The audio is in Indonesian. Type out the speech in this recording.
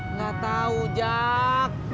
nggak tahu jak